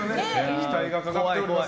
期待がかかっています。